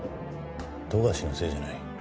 富樫のせいじゃない。